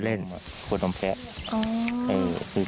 พ่อเก็บขวดนมพลาด